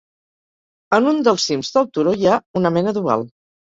En un dels cims del turó hi ha una mena d'oval.